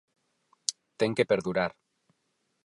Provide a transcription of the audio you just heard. Ten que perdurar.